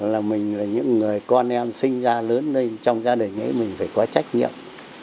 là mình là những người con em sinh ra lớn lên trong gia đình ấy mình phải có trách nhiệm